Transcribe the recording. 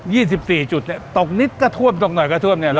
สิบสี่จุดเนี้ยตกนิดก็ท่วมตกหน่อยก็ท่วมเนี้ย